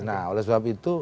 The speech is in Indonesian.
nah oleh sebab itu